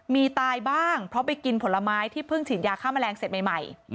มีตายบ้างเพราะไปกินผลไม้ที่เพิ่งฉีดยาฆ่าแมลงเสร็จใหม่